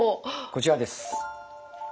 こちらです。